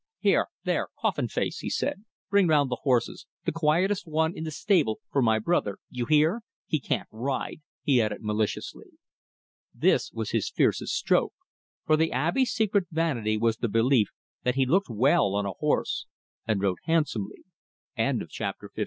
"Hi, there, coffin face," he said, "bring round the horses the quietest one in the stable for my brother you hear? He can't ride," he added maliciously. This was his fiercest stroke, for the Abbe's secret vanity was the belief that he looked well on a horse, and rode handsomely. CHAPTER LV.